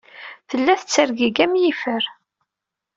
Tella tettergigi am yifer.